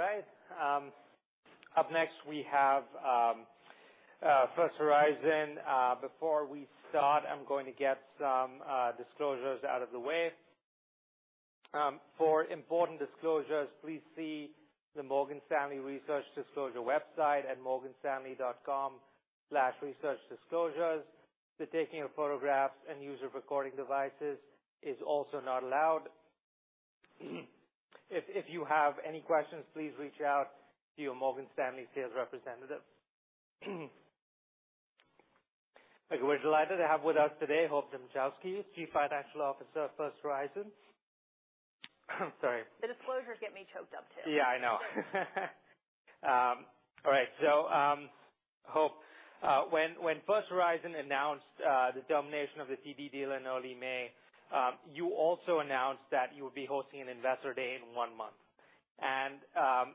Right. Up next, we have First Horizon. Before we start, I'm going to get some disclosures out of the way. For important disclosures, please see the Morgan Stanley Research Disclosure website at morganstanley.com/researchdisclosures. The taking of photographs and use of recording devices is also not allowed. If you have any questions, please reach out to your Morgan Stanley sales representative. We're delighted to have with us today, Hope Dmuchowski, Chief Financial Officer at First Horizon. Sorry. The disclosures get me choked up, too. I know. All right. Hope, when First Horizon announced the termination of the TD deal in early May, you also announced that you would be hosting an Investor Day in one month.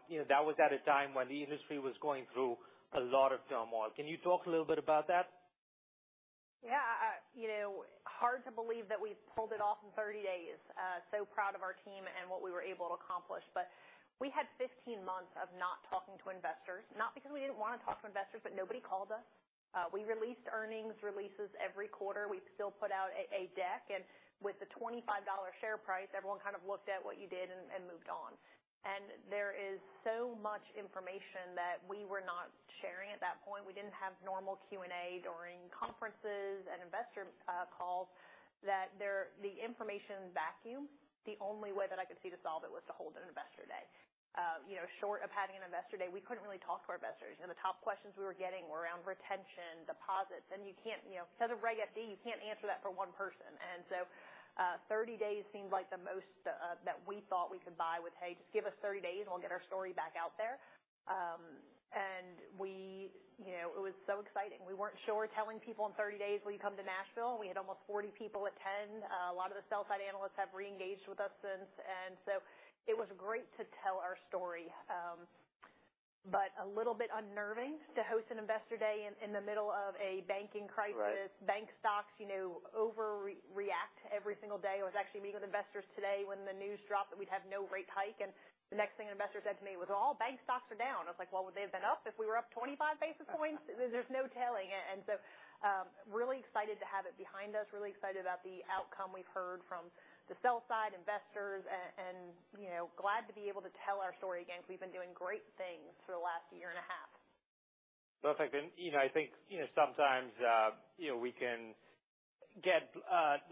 You know, that was at a time when the industry was going through a lot of turmoil. Can you talk a little bit about that? You know, hard to believe that we pulled it off in 30 days. So proud of our team and what we were able to accomplish. We had 15 months of not talking to investors, not because we didn't want to talk to investors, but nobody called us. We released earnings releases every quarter. We still put out a deck, and with the $25 share price, everyone kind of looked at what you did and moved on. There is so much information that we were not sharing at that point. We didn't have normal Q&A during conferences and investor calls, that the information vacuum, the only way that I could see to solve it was to hold an Investor Day. You know, short of having an Investor Day, we couldn't really talk to our investors. You know, the top questions we were getting were around retention, deposits, and you can't, you know, because of Regulation FD, you can't answer that for one person. Thirty days seemed like the most that we thought we could buy with, "Hey, just give us 30 days, and we'll get our story back out there." You know, it was so exciting. We weren't sure telling people in 30 days, "Will you come to Nashville?" We had almost 40 people attend. A lot of the sell side analysts have re-engaged with us since. It was great to tell our story, but a little bit unnerving to host an Investor Day in the middle of a banking crisis. Right. Bank stocks, you know, overreact every single day. I was actually meeting with investors today when the news dropped that we'd have no rate hike, and the next thing an investor said to me was, "Oh, all bank stocks are down." I was like, "Well, would they have been up if we were up 25 basis points?" There's no telling. Really excited to have it behind us, really excited about the outcome we've heard from the sell side, investors, and, you know, glad to be able to tell our story again, because we've been doing great things for the last year and a half. Perfect. You know, I think, you know, sometimes, you know, we can get,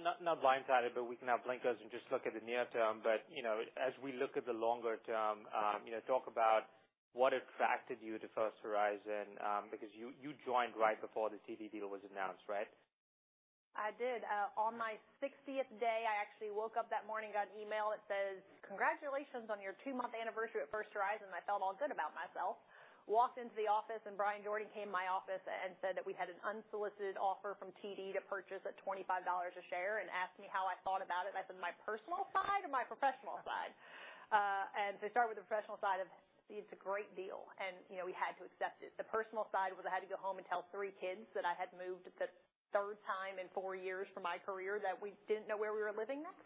not blindsided, but we can have blinkers and just look at the near term. You know, as we look at the longer term, you know, talk about what attracted you to First Horizon, because you joined right before the TD deal was announced, right? I did. On my 60th day, I actually woke up that morning, got an email. It says, "Congratulations on your two-month anniversary at First Horizon." I felt all good about myself. Walked into the office, Bryan Jordan came in my office and said that we had an unsolicited offer from TD to purchase at $25 a share and asked me how I thought about it. I said, "My personal side or my professional side?" I started with the professional side of, "It's a great deal, and, you know, we had to accept it." The personal side was I had to go home and tell three kids that I had moved the 3rd time in four years for my career, that we didn't know where we were living next.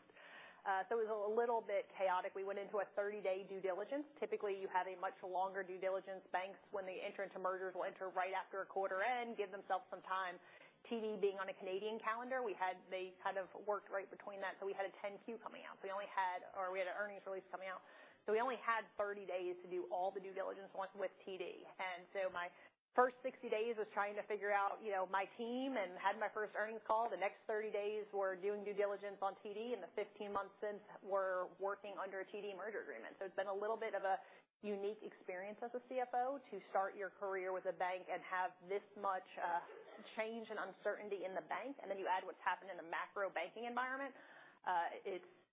It was a little bit chaotic. We went into a 30-day due diligence. Typically, you have a much longer due diligence. Banks, when they enter into mergers, will enter right after a quarter end, give themselves some time. TD being on a Canadian calendar, they kind of worked right between that, so we had a 10-Q coming out. Or we had an earnings release coming out. We only had 30 days to do all the due diligence once with TD. My first 60 days was trying to figure out, you know, my team and had my first earnings call. The next 30 days were doing due diligence on TD, and the 15 months since were working under a TD merger agreement. It's been a little bit of a unique experience as a CFO to start your career with a bank and have this much change and uncertainty in the bank. You add what's happened in the macro banking environment,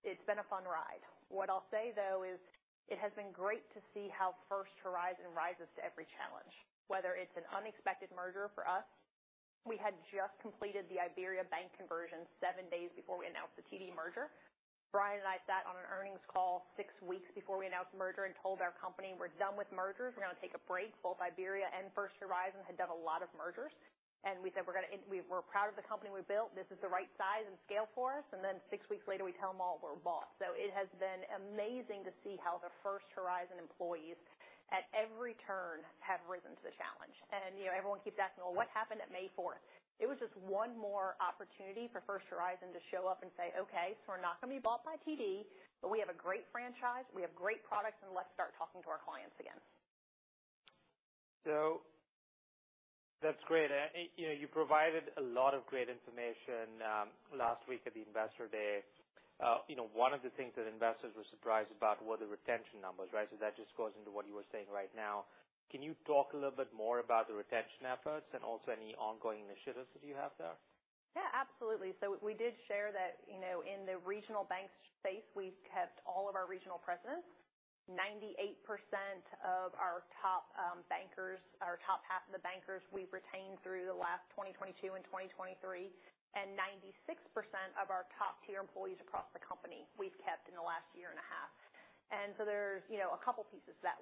it's been a fun ride. What I'll say, though, is it has been great to see how First Horizon rises to every challenge, whether it's an unexpected merger for us. We had just completed the IBERIABANK conversion seven days before we announced the TD merger. Bryan and I sat on an earnings call six weeks before we announced the merger and told our company, "We're done with mergers. We're going to take a break." Both IBERIA and First Horizon had done a lot of mergers, "We're proud of the company we built. This is the right size and scale for us." Six weeks later, we tell them all we're bought. It has been amazing to see how the First Horizon employees, at every turn, have risen to the challenge. You know, everyone keeps asking, "Well, what happened at May 4th?" It was just one more opportunity for First Horizon to show up and say, "Okay, so we're not going to be bought by TD, but we have a great franchise, we have great products, and let's start talking to our clients again. That's great. You know, you provided a lot of great information, last week at the Investor Day. you know, one of the things that investors were surprised about were the retention numbers, right? That just goes into what you were saying right now. Can you talk a little bit more about the retention efforts and also any ongoing initiatives that you have there? Yeah, absolutely. We did share that, you know, in the regional bank space, we've kept all of our regional presidents. 98% of our top bankers, our top half of the bankers, we've retained through the last 2022 and 2023, and 96% of our top-tier employees across the company we've kept in the last year and a half. There's, you know, a couple pieces to that.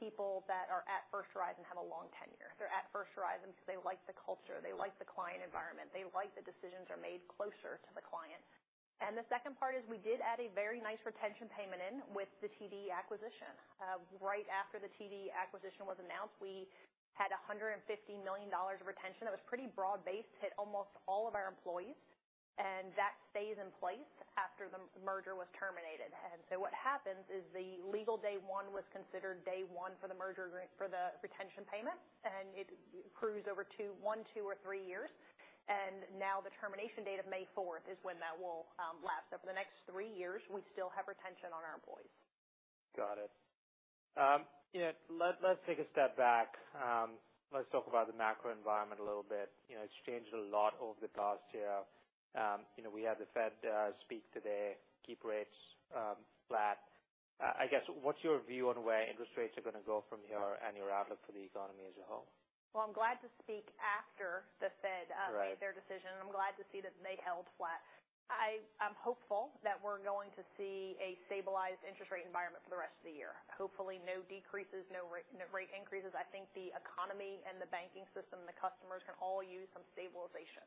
People that are at First Horizon and have a long tenure. They're at First Horizon because they like the culture, they like the client environment, they like that decisions are made closer to the client. The second part is we did add a very nice retention payment in with the TD acquisition. Right after the TD acquisition was announced, we had $150 million of retention. That was pretty broad-based, hit almost all of our employees, and that stays in place after the merger was terminated. What happens is the Legal Day One was considered day one for the merger, for the retention payment, and it accrues over one, two, or three years. Now the termination date of May 4th is when that will lapse. Over the next three years, we still have retention on our employees. Got it. You know, let's take a step back. Let's talk about the macro environment a little bit. You know, it's changed a lot over the past year. You know, we had the Fed speak today, keep rates flat. I guess, what's your view on where interest rates are going to go from here and your outlook for the economy as a whole? Well, I'm glad to speak after the Fed- Right Made their decision, and I'm glad to see that they held flat. I'm hopeful that we're going to see a stabilized interest rate environment for the rest of the year. Hopefully, no decreases, no rate increases. I think the economy and the banking system and the customers can all use some stabilization.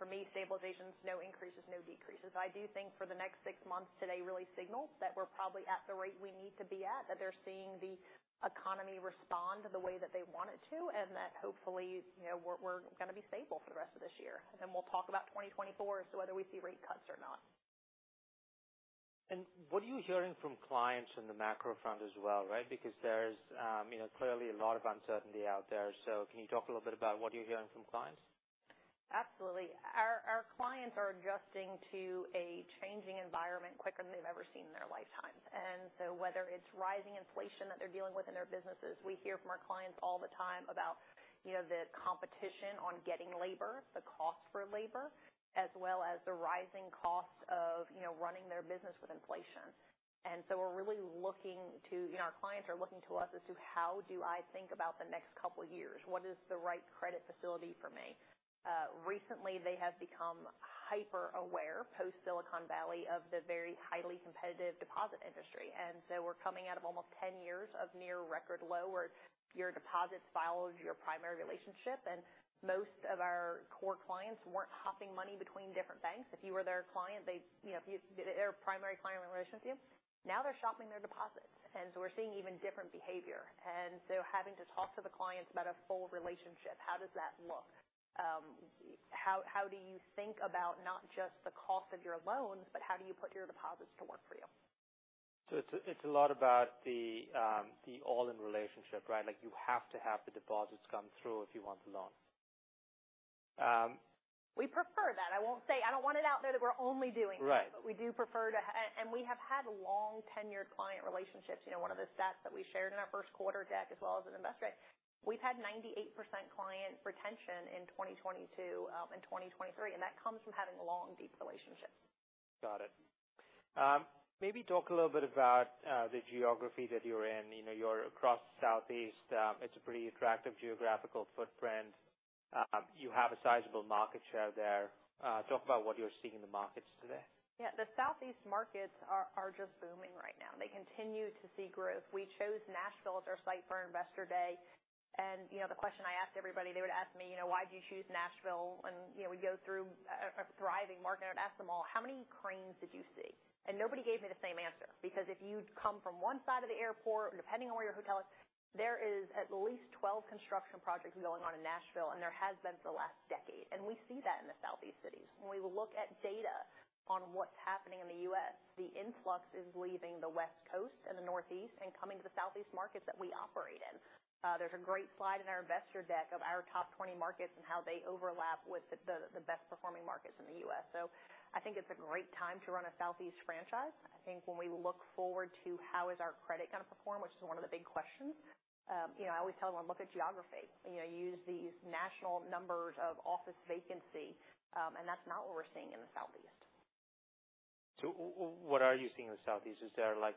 For me, stabilization is no increases, no decreases. I do think for the next six months, today really signals that we're probably at the rate we need to be at, that they're seeing the economy respond to the way that they want it to, and that hopefully, you know, we're going to be stable for the rest of this year. Then we'll talk about 2024 as to whether we see rate cuts or not. What are you hearing from clients on the macro front as well, right? Because there's, you know, clearly a lot of uncertainty out there. Can you talk a little bit about what you're hearing from clients? Absolutely. Our clients are adjusting to a changing environment quicker than they've ever seen in their lifetimes. Whether it's rising inflation that they're dealing with in their businesses, we hear from our clients all the time about, you know, the competition on getting labor, the cost for labor, as well as the rising cost of, you know, running their business with inflation. We're really looking to, you know, our clients are looking to us as to how do I think about the next couple of years? What is the right credit facility for me? Recently, they have become hyper-aware, post-Silicon Valley, of the very highly competitive deposit industry. We're coming out of almost 10 years of near record low, where your deposits followed your primary relationship, and most of our core clients weren't hopping money between different banks. If you were their client, they'd, you know, they're a primary client relationship with you. Now, they're shopping their deposits, we're seeing even different behavior. Having to talk to the clients about a full relationship, how does that look? How do you think about not just the cost of your loans, but how do you put your deposits to work for you? It's a lot about the all-in relationship, right? Like, you have to have the deposits come through if you want the loan. We prefer that. I don't want it out there that we're only doing that. Right. We do prefer to have had long-tenured client relationships. You know, one of the stats that we shared in our first quarter deck, as well as in Investor Day, we've had 98% client retention in 2022, and 2023. That comes from having long, deep relationships. Got it. Maybe talk a little bit about the geography that you're in. You know, you're across the Southeast. It's a pretty attractive geographical footprint. You have a sizable market share there. Talk about what you're seeing in the markets today. The Southeast markets are just booming right now. They continue to see growth. We chose Nashville as our site for Investor Day, and, you know, the question I asked everybody, they would ask me, "You know, why'd you choose Nashville?" You know, we go through a thriving market, and I'd ask them all: "How many cranes did you see?" Nobody gave me the same answer. Because if you'd come from one side of the airport, depending on where your hotel is, there is at least 12 construction projects going on in Nashville, and there has been for the last decade. We see that in the Southeast cities. When we look at data on what's happening in the U.S., the influx is leaving the West Coast and the Northeast and coming to the Southeast markets that we operate in. There's a great slide in our investor deck of our top 20 markets and how they overlap with the best performing markets in the U.S. I think it's a great time to run a Southeast franchise. I think when we look forward to how is our credit going to perform, which is one of the big questions, you know, I always tell everyone, look at geography. You know, use these national numbers of office vacancy, and that's not what we're seeing in the Southeast. What are you seeing in the Southeast? Is there, like,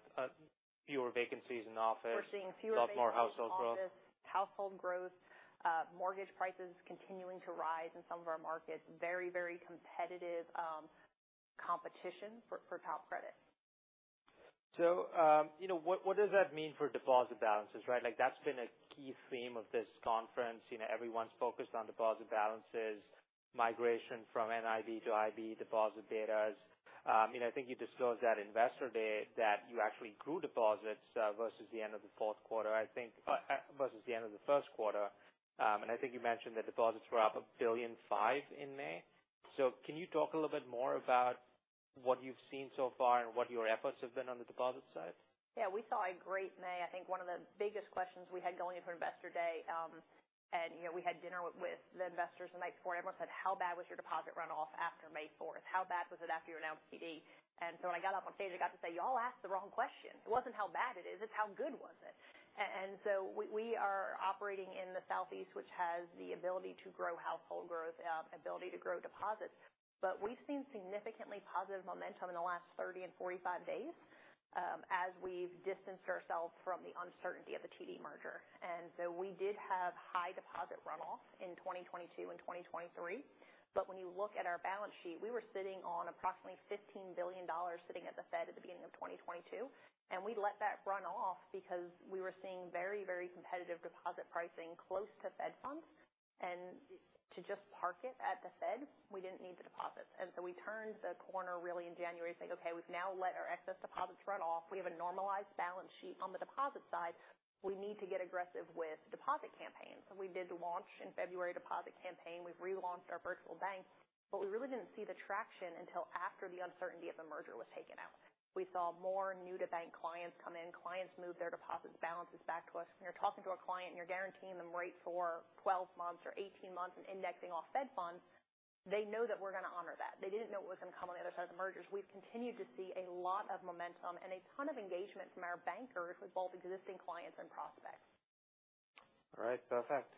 fewer vacancies in office? We're seeing fewer vacancies- A lot more household growth. Household growth, mortgage prices continuing to rise in some of our markets. Very competitive, competition for top credit. You know, what does that mean for deposit balances, right? Like, that's been a key theme of this conference. You know, everyone's focused on deposit balances, migration from NIB to IB deposit betas. You know, I think you disclosed at Investor Day that you actually grew deposits versus the end of the fourth quarter, I think, versus the end of the first quarter. And I think you mentioned that deposits were up $1.5 billion in May. Can you talk a little bit more about what you've seen so far and what your efforts have been on the deposit side? Yeah, we saw a great May. I think one of the biggest questions we had going into Investor Day, you know, we had dinner with the investors the night before, and everyone said, "How bad was your deposit runoff after May 4th? How bad was it after you announced TD?" When I got up on stage, I got to say, "Y'all asked the wrong question. It wasn't how bad it is, it's how good was it?" So we are operating in the Southeast, which has the ability to grow household growth, ability to grow deposits. We've seen significantly positive momentum in the last 30 and 45 days, as we've distanced ourselves from the uncertainty of the TD merger. We did have high deposit runoff in 2022 and 2023, but when you look at our balance sheet, we were sitting on approximately $15 billion sitting at the Fed at the beginning of 2022, and we let that run off because we were seeing very, very competitive deposit pricing close to Fed Funds. To just park it at the Fed, we didn't need the deposits. We turned the corner really in January, saying, "Okay, we've now let our excess deposits run off. We have a normalized balance sheet on the deposit side. We need to get aggressive with deposit campaigns." We did launch in February, a deposit campaign. We've relaunched our VirtualBank, but we really didn't see the traction until after the uncertainty of the merger was taken out. We saw more new-to-bank clients come in, clients move their deposits balances back to us. When you're talking to a client, and you're guaranteeing them rates for 12 months or 18 months and indexing off Fed Funds, they know that we're going to honor that. They didn't know it was going to come on the other side of the mergers. We've continued to see a lot of momentum and a ton of engagement from our bankers with both existing clients and prospects. All right. Perfect.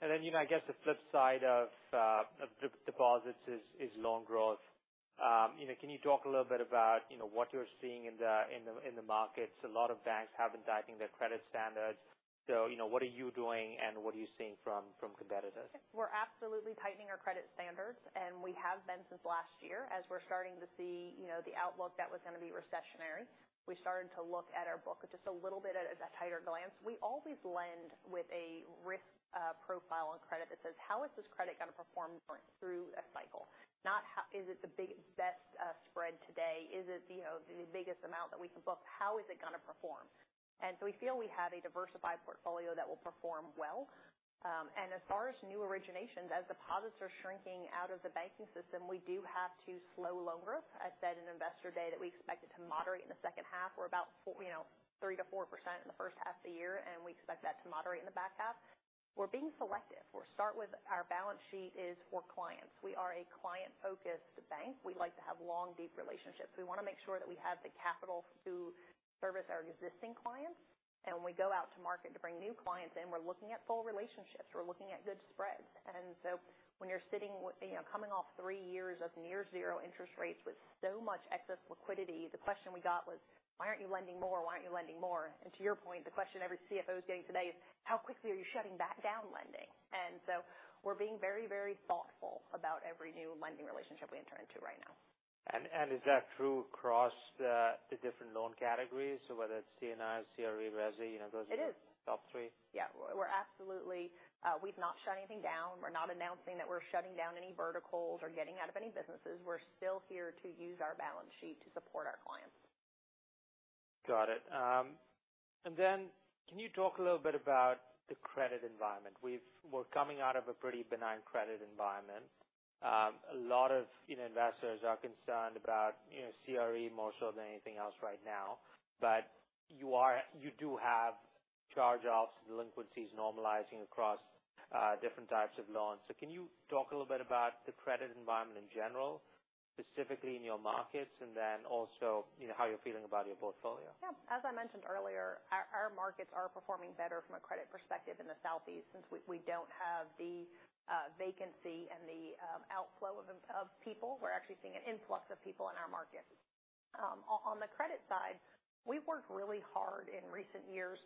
Then, you know, I guess the flip side of deposits is loan growth. You know, can you talk a little bit about, you know, what you're seeing in the markets? A lot of banks have been tightening their credit standards. You know, what are you doing, and what are you seeing from competitors? We're absolutely tightening our credit standards, and we have been since last year. As we're starting to see, you know, the outlook that was going to be recessionary, we started to look at our book just a little bit at a tighter glance. We always lend with a risk profile on credit that says: How is this credit going to perform through a cycle? Not is it the best spread today? Is it, you know, the biggest amount that we can book? How is it going to perform? We feel we have a diversified portfolio that will perform well. As far as new originations, as deposits are shrinking out of the banking system, we do have to slow loan growth. I said in Investor Day that we expect it to moderate in the second half. We're about you know, 3%-4% in the first half of the year. We expect that to moderate in the back half. We're being selective. We're start with our balance sheet is for clients. We are a client-focused bank. We like to have long, deep relationships. We want to make sure that we have the capital to service our existing clients. When we go out to market to bring new clients in, we're looking at full relationships. We're looking at good spreads. When you're sitting with you know, coming off three years of near zero interest rates with so much excess liquidity, the question we got was: Why aren't you lending more? Why aren't you lending more? To your point, the question every CFO is getting today is: How quickly are you shutting back down lending? We're being very, very thoughtful about every new lending relationship we enter into right now. Is that true across the different loan categories, so whether it's C&I, CRE, resi, you know? It is. Top three? Yeah. We're absolutely, we've not shut anything down. We're not announcing that we're shutting down any verticals or getting out of any businesses. We're still here to use our balance sheet to support our clients. Got it. Can you talk a little bit about the credit environment? We're coming out of a pretty benign credit environment. A lot of, you know, investors are concerned about, you know, CRE, more so than anything else right now. You do have charge-offs, delinquencies normalizing across different types of loans. Can you talk a little bit about the credit environment in general, specifically in your markets, and then also, you know, how you're feeling about your portfolio? As I mentioned earlier, our markets are performing better from a credit perspective in the Southeast, since we don't have the vacancy and the outflow of people. We're actually seeing an influx of people in our markets. On the credit side, we've worked really hard in recent years,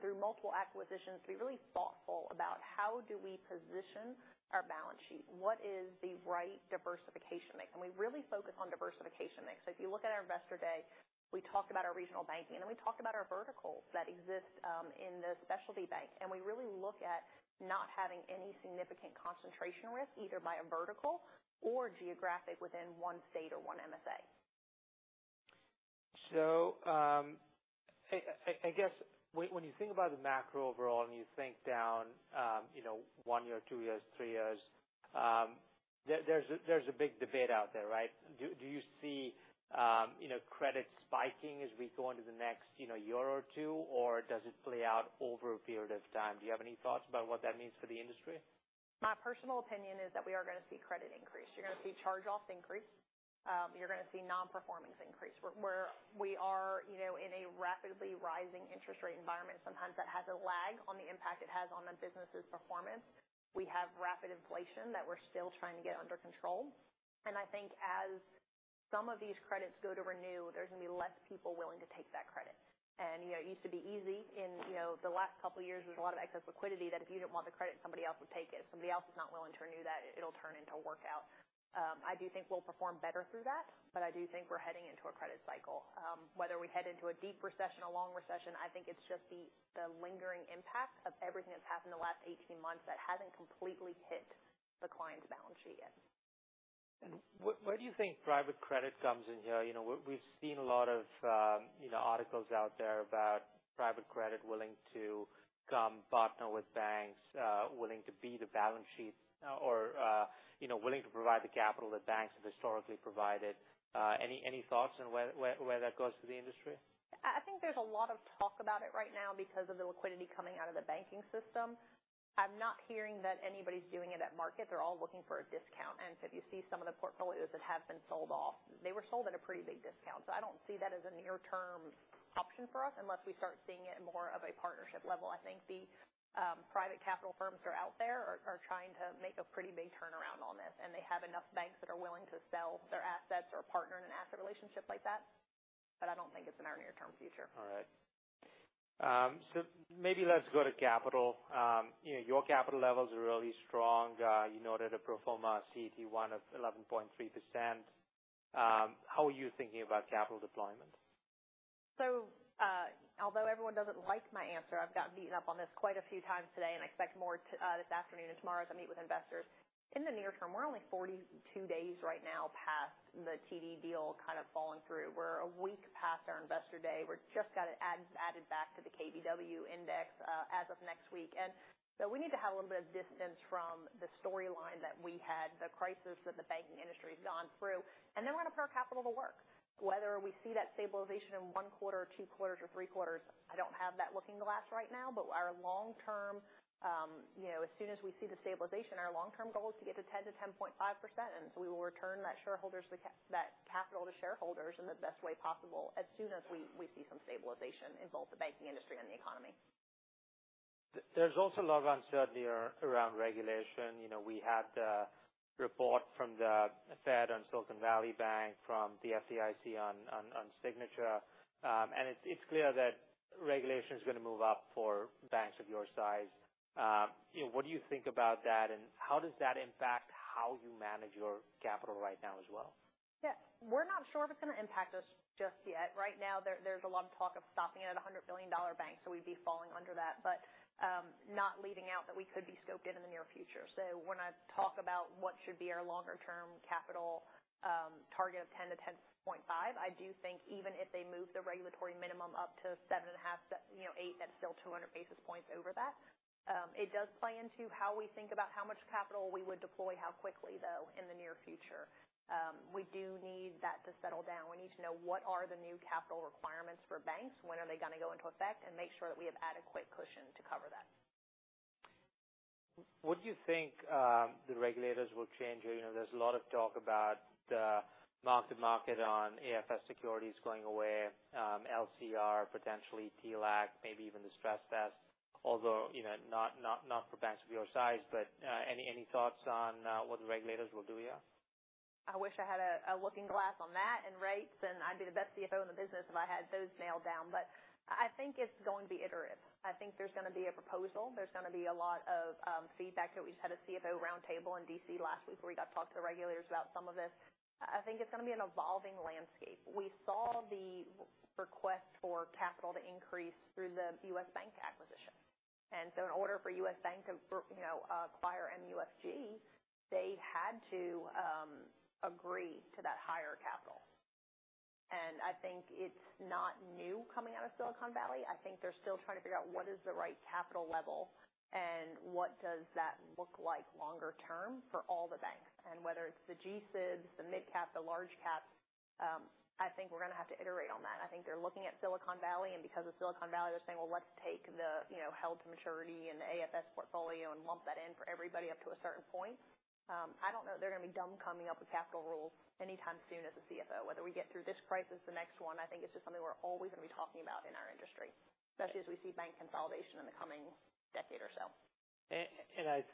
through multiple acquisitions, to be really thoughtful about how do we position our balance sheet? What is the right diversification mix? We really focus on diversification mix. If you look at our Investor Day, we talked about our regional banking, and we talked about our verticals that exist in the specialty bank. We really look at not having any significant concentration risk, either by a vertical or geographic within one state or one MSA. I guess when you think about the macro overall and you think down, you know, one year, two years, three years, there's a big debate out there, right? Do you see, you know, credit spiking as we go into the next, you know, year or two, or does it play out over a period of time? Do you have any thoughts about what that means for the industry? My personal opinion is that we are going to see credit increase. You're going to see charge-offs increase. You're going to see non-performance increase. We are, you know, in a rapidly rising interest rate environment. Sometimes that has a lag on the impact it has on the business's performance. We have rapid inflation that we're still trying to get under control. I think as some of these credits go to renew, there's going to be less people willing to take that credit. You know, it used to be easy. In, you know, the last couple of years, there's a lot of excess liquidity that if you didn't want the credit, somebody else would take it. If somebody else is not willing to renew that, it'll turn into a workout. I do think we'll perform better through that, but I do think we're heading into a credit cycle. Whether we head into a deep recession, a long recession, I think it's just the lingering impact of everything that's happened in the last 18 months that hasn't completely hit the client's balance sheet yet. Where do you think private credit comes in here? You know, we've seen a lot of, you know, articles out there about private credit willing to come partner with banks, willing to be the balance sheet or, you know, willing to provide the capital that banks have historically provided. Any thoughts on where that goes for the industry? I think there's a lot of talk about it right now because of the liquidity coming out of the banking system. I'm not hearing that anybody's doing it at market. They're all looking for a discount. If you see some of the portfolios that have been sold off, they were sold at a pretty big discount. I don't see that as a near-term option for us unless we start seeing it at more of a partnership level. I think the private capital firms that are out there are trying to make a pretty big turnaround on this, and they have enough banks that are willing to sell their assets or partner in an asset relationship like that, but I don't think it's in our near-term future. All right. Maybe let's go to capital. You know, your capital levels are really strong. You noted a pro forma CET1 of 11.3%. How are you thinking about capital deployment? Although everyone doesn't like my answer, I've gotten beaten up on this quite a few times today, and I expect more this afternoon and tomorrow as I meet with investors. In the near term, we're only 42 days right now past the TD deal kind of falling through. We're a week past our Investor Day. We're just got it added back to the KBW Index as of next week. We need to have a little bit of distance from the storyline that we had, the crisis that the banking industry has gone through, and then we want to put our capital to work. Whether we see that stabilization in one quarter, or two quarters, or three quarters, I don't have that looking glass right now. Our long term, you know, as soon as we see the stabilization, our long-term goal is to get to 10% to 10.5%. We will return that capital to shareholders in the best way possible, as soon as we see some stabilization in both the banking industry and the economy. There's also a lot of uncertainty around regulation. You know, we had the report from the Fed on Silicon Valley Bank, from the FDIC on Signature. It's clear that regulation is going to move up for banks of your size. You know, what do you think about that, how does that impact how you manage your capital right now as well? Yeah. We're not sure if it's going to impact us just yet. Right now, there's a lot of talk of stopping it at a $100 billion bank. We'd be falling under that. Not leaving out that we could be scoped in the near future. When I talk about what should be our longer term capital target of 10-10.5, I do think even if they move the regulatory minimum up to 7.5, you know, eight, that's still 200 basis points over that. It does play into how we think about how much capital we would deploy, how quickly, though, in the near future. We do need that to settle down. We need to know what are the new capital requirements for banks, when are they going to go into effect, and make sure that we have adequate cushion to cover that. What do you think the regulators will change? You know, there's a lot of talk about the mark-to-market on AFS securities going away, LCR, potentially TLAC, maybe even the stress test, although, you know, not for banks of your size. Any thoughts on what the regulators will do here? I wish I had a looking glass on that and rates, and I'd be the best CFO in the business if I had those nailed down. I think it's going to be iterative. I think there's going to be a proposal. There's going to be a lot of feedback. That we just had a CFO roundtable in D.C. last week where we got to talk to the regulators about some of this. I think it's going to be an evolving landscape. We saw the request for capital to increase through the U.S. Bank acquisition, and so in order for U.S. Bank to, you know, acquire MUFG, they had to agree to that higher capital. I think it's not new coming out of Silicon Valley. I think they're still trying to figure out what is the right capital level and what does that look like longer term for all the banks. Whether it's the G-SIBs, the mid-cap, the large-cap, I think we're going to have to iterate on that. I think they're looking at Silicon Valley. Because of Silicon Valley, they're saying: Well, let's take the, you know, held-to-maturity and the AFS portfolio and lump that in for everybody up to a certain point. I don't know that they're going to be done coming up with capital rules anytime soon as a CFO. Whether we get through this crisis, the next one, I think it's just something we're always going to be talking about in our industry, especially as we see bank consolidation in the coming decade or so. I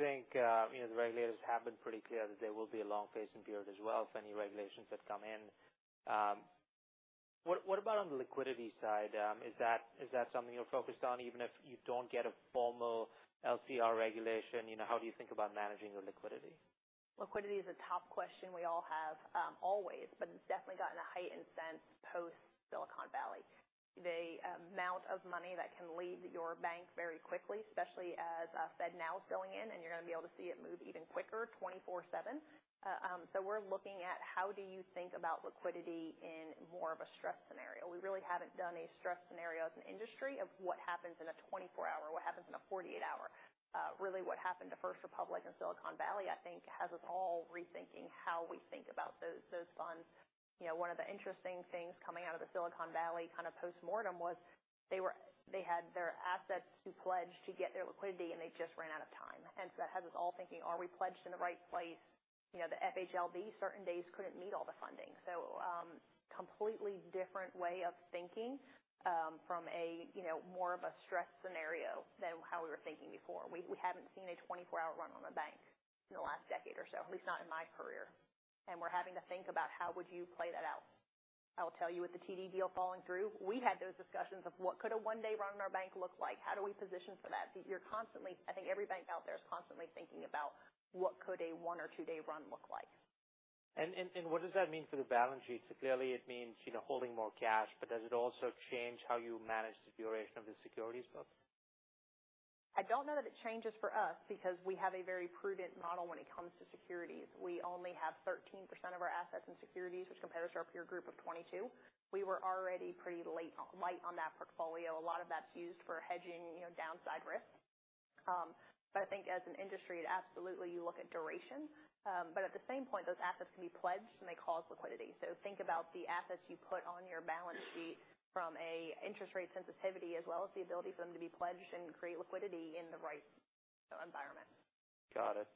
think, you know, the regulators have been pretty clear that there will be a long phasing period as well for any regulations that come in. What about on the liquidity side? Is that something you're focused on, even if you don't get a formal LCR regulation? You know, how do you think about managing the liquidity? Liquidity is a top question we all have, always, but it's definitely gotten a heightened sense post-Silicon Valley. The amount of money that can leave your bank very quickly, especially as FedNow is going in, and you're going to be able to see it move even quicker, 24/7. We're looking at how do you think about liquidity in more of a stress scenario? We really haven't done a stress scenario as an industry of what happens in a 24-hour, what happens in a 48-hour. Really, what happened to First Republic and Silicon Valley, I think, has us all rethinking how we think about those funds. You know, one of the interesting things coming out of the Silicon Valley kind of postmortem was they had their assets to pledge to get their liquidity, and they just ran out of time. That has us all thinking, are we pledged in the right place? You know, the FHLB, certain days, couldn't meet all the funding. Completely different way of thinking, from a, you know, more of a stress scenario than how we were thinking before. We haven't seen a 24-hour run on a bank in the last decade or so, at least not in my career, and we're having to think about how would you play that out. I will tell you, with the TD deal falling through, we had those discussions of what could a one-day run in our bank look like? How do we position for that? I think every bank out there is constantly thinking about what could a one or two-day run look like. What does that mean for the balance sheet? Clearly, it means, you know, holding more cash, but does it also change how you manage the duration of the securities book? I don't know that it changes for us because we have a very prudent model when it comes to securities. We only have 13% of our assets in securities, which compares to our peer group of 22%. We were already pretty light on that portfolio. A lot of that's used for hedging, you know, downside risk. I think as an industry, it absolutely, you look at duration. At the same point, those assets can be pledged, and they cause liquidity. Think about the assets you put on your balance sheet from a interest rate sensitivity, as well as the ability for them to be pledged and create liquidity in the right environment. Got it.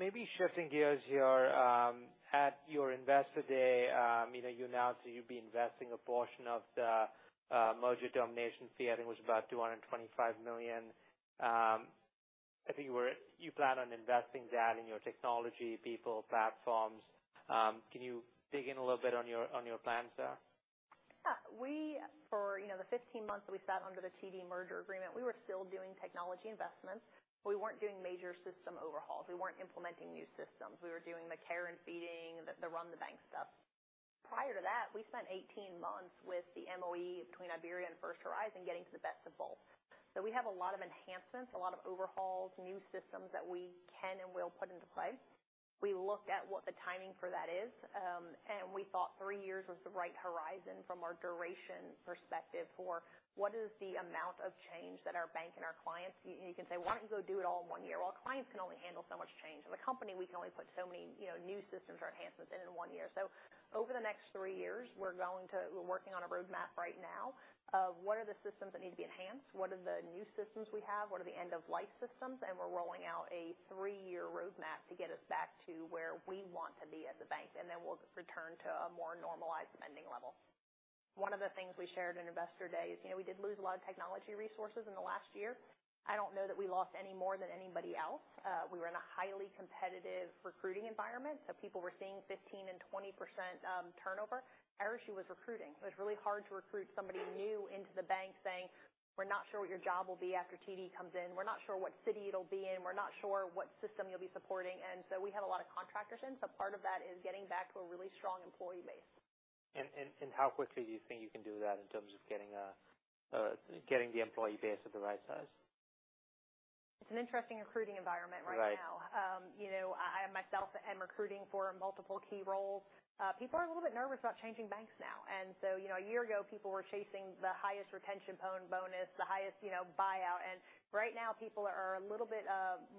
Maybe shifting gears here. At your Investor Day, you know, you announced that you'd be investing a portion of the merger termination fee. I think it was about $225 million. I think you plan on investing that in your technology, people, platforms. Can you dig in a little bit on your plans there? We, for, you know, the 15 months that we sat under the TD merger agreement, we were still doing technology investments, but we weren't doing major system overhauls. We weren't implementing new systems. We were doing the care and feeding, the run-the-bank stuff. Prior to that, we spent 18 months with the MOE between IBERIA and First Horizon getting to the best of both. We have a lot of enhancements, a lot of overhauls, new systems that we can and will put into place. We look at what the timing for that is. We thought three years was the right horizon from our duration perspective for what is the amount of change that our bank and our clients. You can say, "Why don't you go do it all in one year?" Our clients can only handle so much change, and the company, we can only put so many, you know, new systems or enhancements in one year. Over the next three years, we're working on a roadmap right now of what are the systems that need to be enhanced, what are the new systems we have, what are the end-of-life systems? We're rolling out a three-year roadmap to get us back to where we want to be as a bank. We'll return to a more normalized spending level. One of the things we shared in Investor Day is, you know, we did lose a lot of technology resources in the last year. I don't know that we lost any more than anybody else. We were in a highly competitive recruiting environment, people were seeing 15% and 20% turnover. Our issue was recruiting. It was really hard to recruit somebody new into the bank, saying, "We're not sure what your job will be after TD comes in. We're not sure what city it'll be in. We're not sure what system you'll be supporting." We had a lot of contractors in, part of that is getting back to a really strong employee base. How quickly do you think you can do that in terms of getting the employee base to the right size? It's an interesting recruiting environment right now. Right. You know, I, myself am recruiting for multiple key roles. People are a little bit nervous about changing banks now. You know, a year ago, people were chasing the highest retention bonus, the highest, you know, buyout. Right now, people are a little bit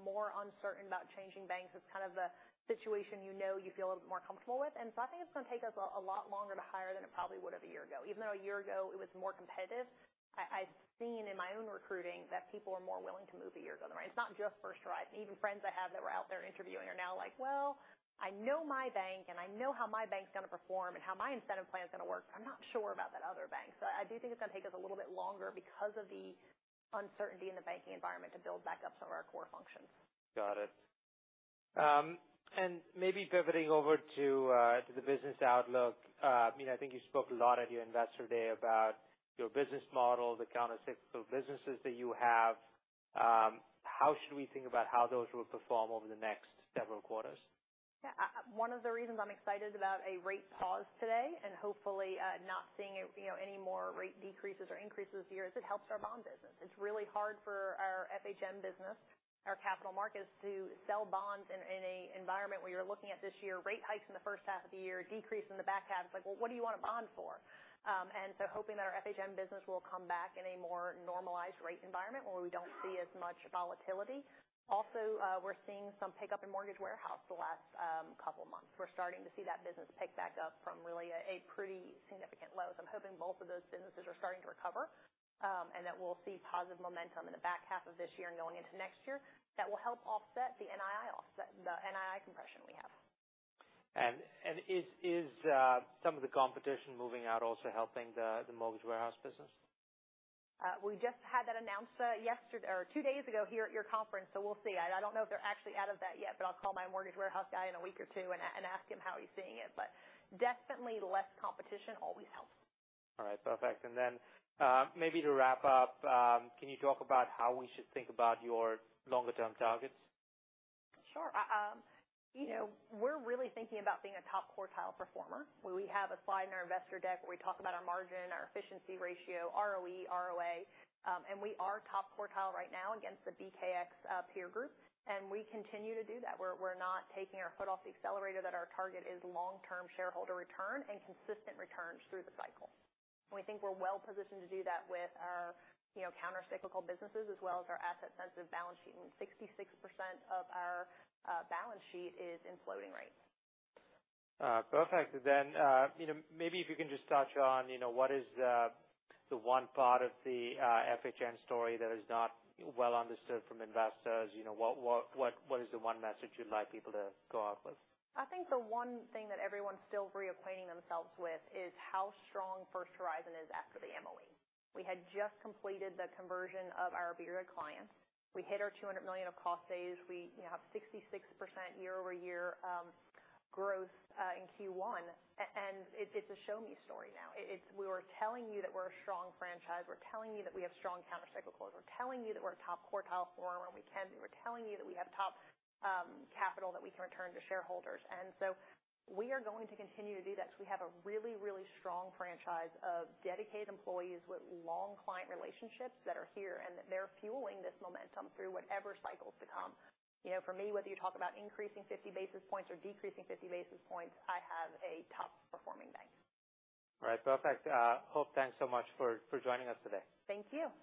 more uncertain about changing banks. It's kind of the situation you know you feel a little bit more comfortable with. I think it's going to take us a lot longer to hire than it probably would have a year ago. Even though a year ago it was more competitive, I've seen in my own recruiting that people are more willing to move a year down the line. It's not just First Horizon. Even friends I have that were out there interviewing are now like: Well, I know my bank, and I know how my bank's going to perform and how my incentive plan is going to work. I'm not sure about that other bank. I do think it's going to take us a little bit longer because of the uncertainty in the banking environment to build back up some of our core functions. Got it. Maybe pivoting over to the business outlook. I mean, I think you spoke a lot at your Investor Day about your business model, the countercyclical businesses that you have. How should we think about how those will perform over the next several quarters? One of the reasons I'm excited about a rate pause today and hopefully, not seeing, you know, any more rate decreases or increases this year is it helps our bond business. It's really hard for our FHN business, our capital markets, to sell bonds in an environment where you're looking at this year, rate hikes in the first half of the year, decrease in the back half. It's like, well, what do you want a bond for? Hoping that our FHN business will come back in a more normalized rate environment where we don't see as much volatility. Also, we're seeing some pickup in Mortgage Warehouse the last couple months. We're starting to see that business pick back up from really a pretty significant low. I'm hoping both of those businesses are starting to recover, and that we'll see positive momentum in the back half of this year and going into next year. That will help offset the NII compression we have. Is some of the competition moving out also helping the Mortgage Warehouse business? We just had that announced yesterday- or two days ago here at your conference. We'll see. I don't know if they're actually out of bed yet, I'll call my Mortgage Warehouse guy in a week or two and ask him how he's seeing it. Definitely, less competition always helps. All right, perfect. Maybe to wrap up, can you talk about how we should think about your longer-term targets? You know, we're really thinking about being a top quartile performer, where we have a slide in our investor deck where we talk about our margin, our efficiency ratio, ROE, ROA, and we are top quartile right now against the BKX peer group, and we continue to do that. We're not taking our foot off the accelerator, that our target is long-term shareholder return and consistent returns through the cycle. We think we're well positioned to do that with our, you know, countercyclical businesses, as well as our asset-sensitive balance sheet. 66% of our balance sheet is in floating rate. Perfect. You know, maybe if you can just touch on, you know, what is the one part of the FHN story that is not well understood from investors? You know, what is the one message you'd like people to go out with? I think the one thing that everyone's still reacquainting themselves with is how strong First Horizon is after the MOE. We had just completed the conversion of our IBERIA clients. We hit our $200 million of cost saves. We, you know, have 66% year-over-year growth in Q1. It's a show-me story now. We were telling you that we're a strong franchise. We're telling you that we have strong countercyclicals. We're telling you that we're a top quartile performer, and we can be. We're telling you that we have top capital that we can return to shareholders. We are going to continue to do that because we have a really, really strong franchise of dedicated employees with long client relationships that are here, and that they're fueling this momentum through whatever cycle is to come. You know, for me, whether you talk about increasing 50 basis points or decreasing 50 basis points, I have a top-performing bank. All right. Perfect. Hope, thanks so much for joining us today. Thank you.